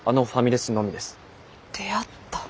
出会った。